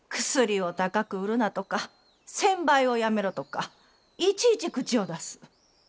薬を高く売るなとか専売をやめろとかいちいち口を出す。